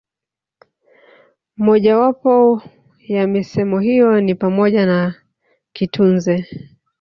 Moja wapo ya misemo hiyo ni pamoja na kitunze